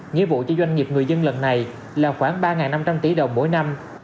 nghĩa vụ cho doanh nghiệp người dân lần này là khoảng ba năm trăm linh tỷ đồng mỗi năm